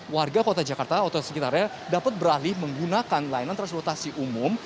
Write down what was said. warga kota jakarta atau sekitarnya dapat beralih menggunakan layanan transportasi umum